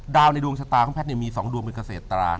ดาวในดวงชะตาของพัดมี๒ดวงเป็นเกษตรา